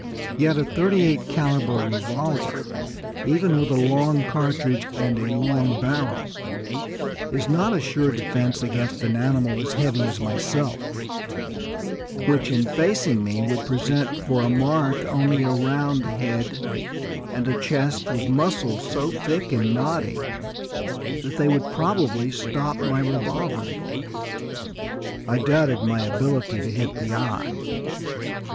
Yet a thirty eight calibre revolver, even with a long cartridge and a long barrel, is not a sure defence against an animal as heavy as myself, which in facing me would present for a mark only a round head and a chest with muscles so thick and knotty that they would probably stop any revolver bullet. I doubted my ability to hit the eye.